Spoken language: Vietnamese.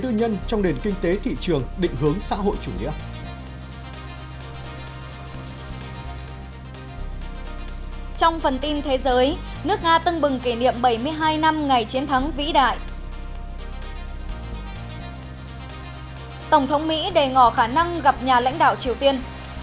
tổng thống mỹ đề ngò khả năng gặp nhà lãnh đạo triều tiên